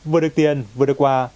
vừa được tiền vừa được quà